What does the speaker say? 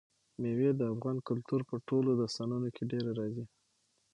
مېوې د افغان کلتور په ټولو داستانونو کې ډېره راځي.